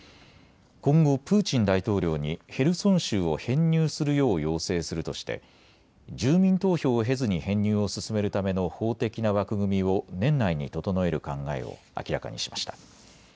今後、プーチン大統領にヘルソン州を編入するよう要請するとして住民投票を経ずに編入を進めるための法的な枠組みを年内に整える考えを明らかにしました。